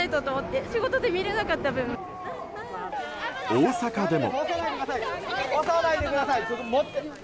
大阪でも。